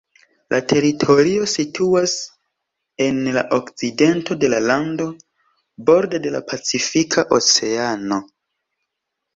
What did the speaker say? La teritorio situas en la okcidento de la lando, borde de la Pacifika Oceano.